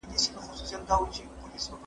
مينه د مور له خوا ښکاره کيږي!